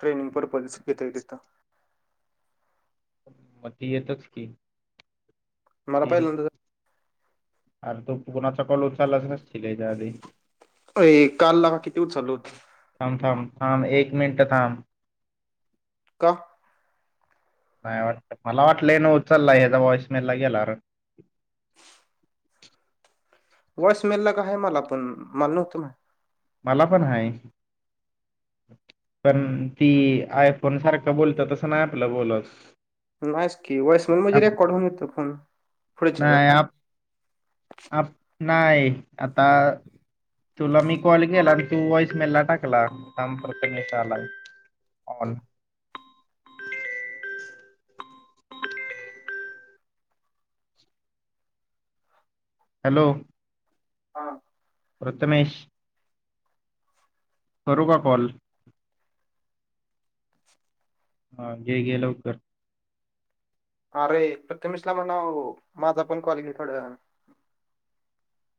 प्रेम purpose येतोय तिथ तो यतोय मला किती पहिल्यांदा आ तू कोणाचा कॉल उचालाच नसशील यांच्या आधी अय काल लगा किती उचलो होते. थांब, थांब, थांब एक मिनट थांब का? नाही वाट मला वाटलं न उचलला यांचा वॉईस मेल ला गेलार. वॉईस मेलला काय मला पण मला नव्हतं माहित मला पण आहे. पण ती आयफोन सारखं बोलत तसं नाही आपलं बोलत नाहीच की वॉईस म म्हणजे आप- रेकॉर्ड होऊन येतं फोन पुढच्याचा अ नाही आता तुला मी कॉल केला तू वॉईस मेला टाकला थांब प्रथमेशचा आला आता कॉल हॅलो हा प्रथमेश करू का कॉल? हा घे घे लवकर अरे प्रथमेशला म्हणाव माझा पण कॉल घे थोड्या वेळान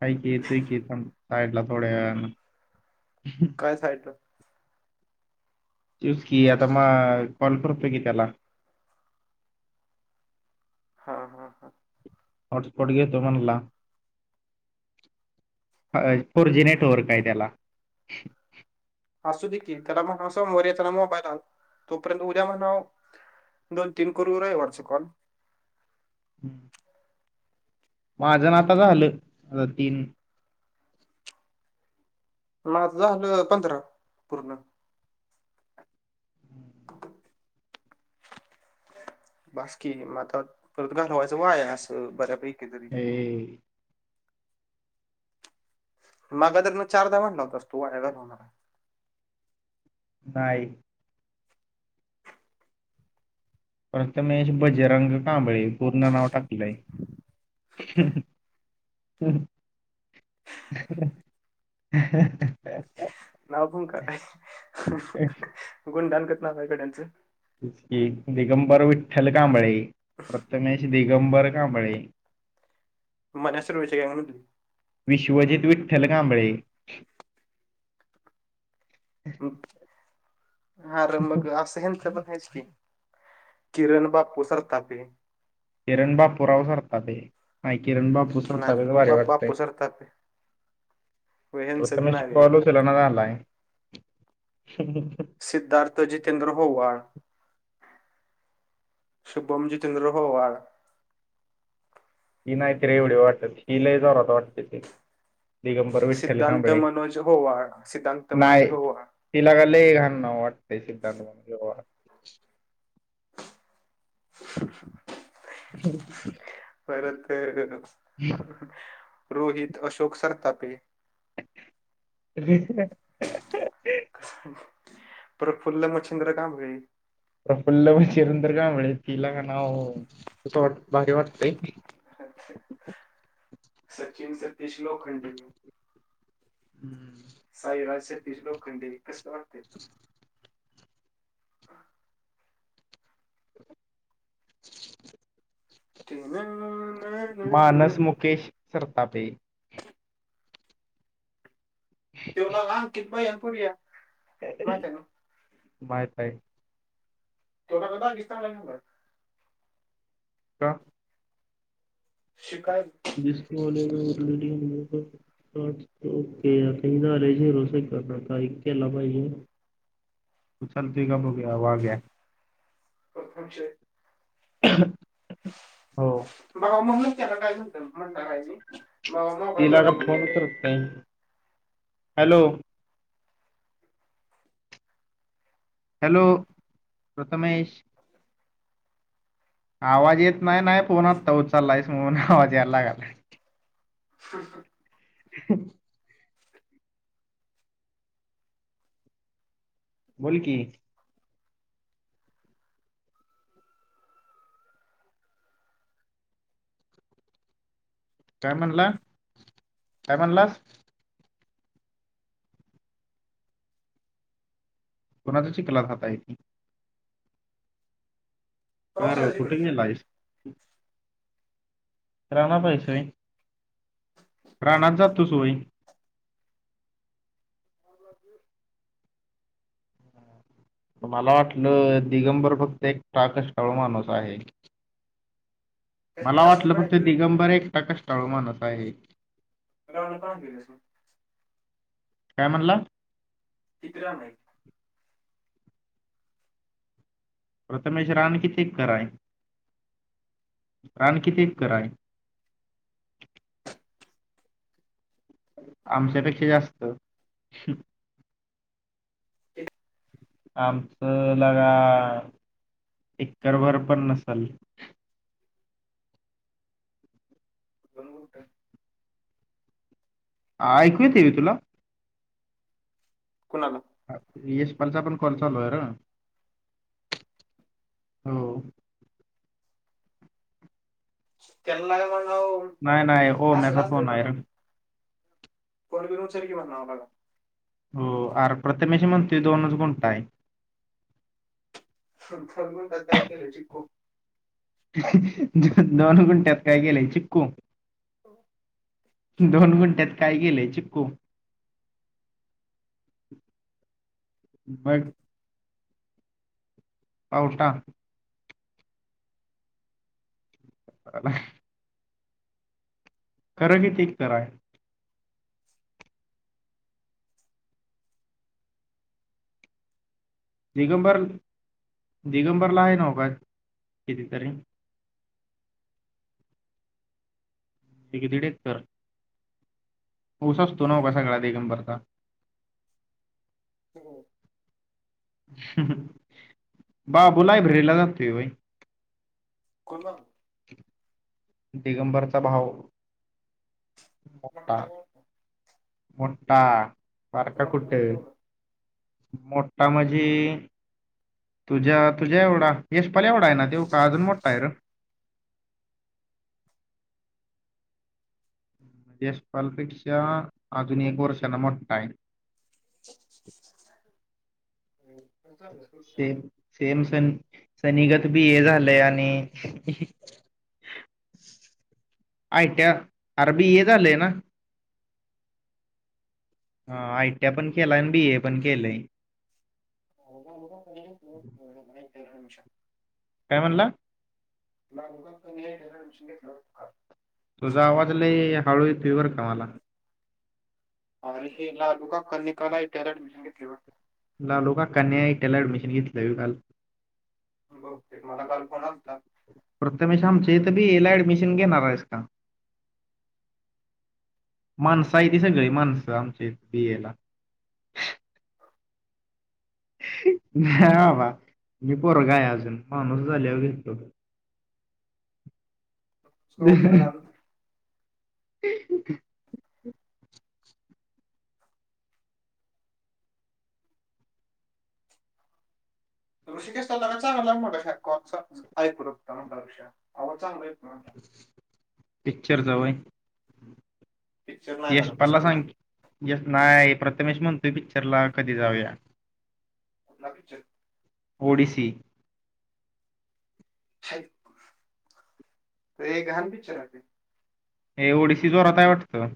थोड्या वेळानी काय साईड--ला तेच की आता कॉल करतो की त्याला हा हा हा हॉट स्पॉट घेतो म्हटला फोर जी नेटवर्क हाय त्याला असू दे की त्याला म्हणा सोमवारी येताना मोबाइल आण तोपर्यंत उद्या म्हणाव दोन, तीन करू रविवारचे कॉल हम्म. माझं आता झालं आ तीन माझ झालं पंधरा पूर्ण बासकी आता परत गारवायचं वाय असं. तरी हे. मागा ज मग चारदावांलावत तू वागा लावणार. काय. प्रथमेश बजेरंग कांबळे पूर्ण नाव टाक बाय. [unintelligible] ह--ह--ह नाव हो का काय, गुणडानकत नावयकड्यांचं, एक दिगंबर विठ्ठल कांबळे, प्रथमेश दिगंबर कांबळे. मन्या सुर्वे च्या गॅग विश्वजित विठ्ठल कांबळे. हा र मग असं हंच पण हायच की. किरण बापु सरतापे. किरण बापूराव सरपाते, नाही किरण बापू नाही भारी बा वाटतंय, बापू सरतापे व ह्यांचं बी प्रथमेश नाव आहे कॉल ऊचलना झालाय, ह, ह, ह. सिद्धार्थ जितेंद्र होवाळ. शुभम जितेंद्र होवाळ. ही नाहीत र एवढी वाटत, हि लय जोरात वाटते ती. दिगंबर विठ्ठल सिद्धांत कांबळे मनोज होवाळ, सिद्धांत मनोज होवाळ. ति लगा लय घान वाटतंय, सिद्धांत परत हम्म. रोहित अशोक सरतापे. रेट काय प्रफुल्ल मच्छिंद्र कांबळे. प्रफुल्ल मच्छिंद्र कांबळे, हे लगा नाव, तिला का नाव तस वाटतय, भारी वाटतंय. सचिन सतीश लोखंडे. हम्म. [unintelligible] साईराज सतीश लोखंडे, कसं वाटतय. ह. [unintelligible] तेम मानस मुकेश सरतापे. ते व बघा अंकीत ह्या कुर्या. माहित हाय. तेवढा कदा मी सांगाय सांगु काय. का शिकाय ऊरलेलं ओके, हो झालाय झिरो सेकंदाचा, एक केला पायजे. ुचालतुय का बीघ बघुया. वाघ्या कथमचे [unintelligible] ह. बाबा मगूनच त्याला काय होत म्हणतय म ति लगा फोन करत नाही, हॅलो. हॅलो, प्रथमेश. आवाज येत नाही नाही, फोन आता उचलायस म्हणून आवाज यायला लागालाय. ह. [unintelligible] बोल की. काय म्हणला, काय म्हणलास? कोणाच्या चीकलात हात हायती. का रा, पावसाळ्या तिकडे कुठं गेलायस? [unintelligible] [unintelligible] रानात जातोस व्हय? मला वाटलं दिगंबर फक्त एकटा कष्टाळू माणूस आहे. त्यासनी मला रांगण वाटलं फक्त राहायची दिगंबर एकटा कष्टाळू माणूस आहे. [unintelligible] काय म्हणला? किती राहलय? प्रथमेश रान किती एकर हाय, रान किती एकर हाय? आमच्यापेक्षा जास्त. आमचं लगा एकरभर पण नसल. खरोखर काय? ऐकू येतय तुला? कुणाला? यशपनचा पण कॉल आहे र, हो [unintelligible] म्हणाव नाहीय नाही ओम्याचा फोन हाय र. फोन बिन उचल की म्हणाव लगा. हो आर प्रथमेशी म्हणतोय दोनच गुंठा आहे. दोन गुंठात काय केलं, चिकू दोन गुंट्यात काय केलंय चिक्कू. दोन गुंठ्यात काय केलंय चिक्कू. बग, पावटा. [unintelligible] खर किती एकर हाय? दिगंबर दिगंबरला आहे नव काय किती तरी, एक दीड एकर. ऊस असतो नव का सगळ्या दिगंबरचा? हो. बाबू लायब्ररीला जातोय होय? कोण बाबू? दिगंबर चा भाऊ. कोणता मोठा भाऊ? मोठा बारका मग कुठ. काय तेवढं मोठा म्हणजे तुझ्या तुझ्या एवढा येशपाल एवढा आहे ना देव का अजून मोठा आहे र? यश पाल पेक्षा अजून एक वर्षाना मोठा आहे. हम्म [inaudible] चाल. सेम, सेम सनीगत बी ये झालंय आणि आय टी या अरे बी ए झालेय ना? हा आय टी या पण केलाय आणि बी ए पण केलंय. [unintelligible] हो नाही. छा [inaudible] काय म्हणला? तुलाग क हे डेरट मिशीन घेतलं [unintelligible] तुझा आवाज लय हळू येतोत बर का मला. अरे हे लालू का किकला त्याला ऍडमिशन घेतली ब [unintelligible] लालू काकांनी आय टि आय ला ऍडमिशन घेतलं आहे काल. बहुतेक मला काल फोन आलता प्रत्यमेश अमचे इथं पण बी ए ला एडमिशन घेणार आहेस का? माणसं आहे ती सगळी माणसं आमच्या इथ बि ए ला. नाय बाबा मी पोरगा आहे अजून माणूस झाल्यावर घेतो. [unintelligible] ऋषिकेस चांगला ऐकूा ऋष आ चांगला आहे [unintelligible] पिक्चर जावई [unintelligible] पिक्चर नाही यश लागला पला पुस्तक सांग आहे की यश नाही प्रथमेश म्हणतोय पिक्चर ला कधी जाऊया? कुठला पिक्चर? ओडीसी. [unintelligible] लय घाण पिक्चर आहे ते. हे ओडीसी जोरात आहे वाटतं?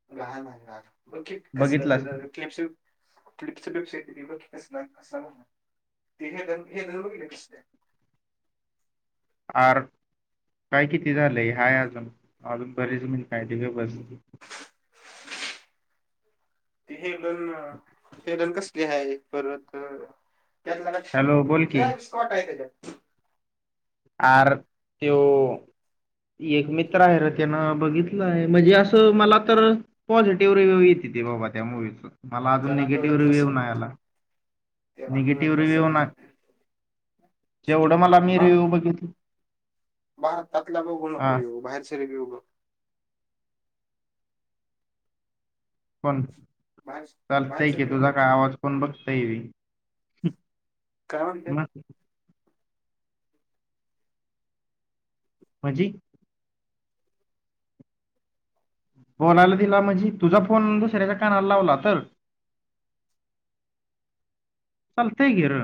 घाण आहे बघितलास घाण [unintelligible] [unintelligible] आर. काय किती झालंय हाय अजून, अजून बरीच मिंनट हाय की गप बस. ते हेलन, हेलन कसली आहे परत त्याल्या हॅलो बोल की ट [unintelligible] स्पॉट आहे त्याच्यात. आर तो एक मित्र आहे रे त्यान बघितलं आहे म्हणजे असं मला तर पॉझिटिव्ह रिव्हू येते ते बाबा त्या मूवीच मला अजून त्याला निगेटिव्ह कळत रिव्ह्यूव नसेल नाही आला. त्याला कळत निगेटिव्ह रिव्ह्यू नसेल ना मग जेवढं मला मी बाहेर रिव्ह्यू बघितल भारतातला बाघुनको हा रिव्ह्यु बाहेरचा रिव्ह्यु बघ पण बाहेर चालतय बाहेरचे की रिव्ह्यू तुझा बघ का आवाज पण बघतय रे काय म्हणतोय? म्हणजे? बोलायला दिला म्हणजे तुझा फोन दुसऱ्याच्या कानाला लावला तर चालतंय की र.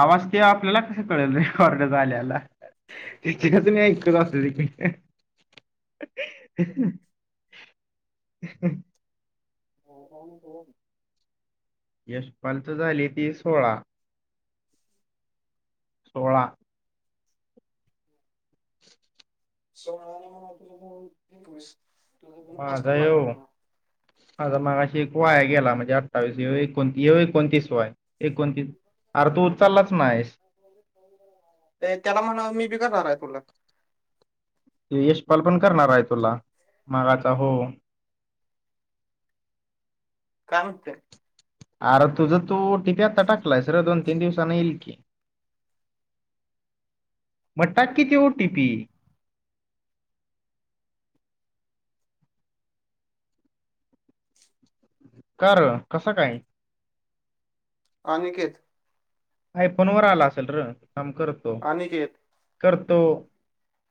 आवाज ते आपल्याला कस कळेल रेकॉर्ड झालेला? तिच्याकस मी क्रॉस ऐकत असली [unintelligible] [unintelligible] हो [unintelligible] यशपालच झाली की सोळा सोळा, [inaudible] माझा येऊ [unintelligible] माझा मगाशी एक वाय गेला, म्हणजे अठ्ठावीस ये एकोण ये एकोणतीस वा हाय एकोणतीस अर् तू उचाललाच नाहिस. ए त्याला म्हणा मी बघाणार आहे तुला यशपाल करणार आहे तुला, मागाचा हो काय म्हणताय, अर तुझ तू ओटीपी आत्ता टाकलाय सर दोन तीन दिवसांना येईल की मग टाक की, तो ओटीपी का र कसं काय? अनिकेत आयफोनवर अल असेल र थांब करतो, अनिकेत करतो